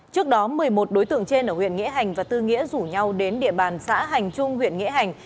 trước đó một mươi một đối tượng trên ở huyện nghĩa hành và tư nghĩa rủ nhau đến địa bàn xã hành trung huyện nghĩa hành